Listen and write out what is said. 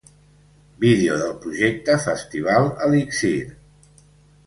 Vídeo del projecte Festival Elixir.